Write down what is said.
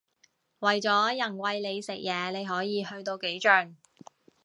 為咗人餵你食嘢你可以去到幾盡